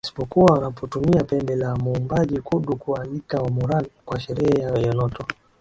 isipokuwa wanapotumia pembe la muumbaji Kudu kuwaalika Wamoran kwa sherehe ya Eunoto